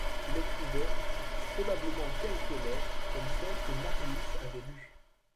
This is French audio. Il écrivait, probablement quelque lettre comme celles que Marius avait lues.